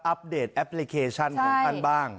อัพเดทแอปพลิเคชันของกันบ้าง